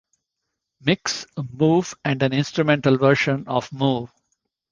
Mix", "Move" and an instrumental version of "Move".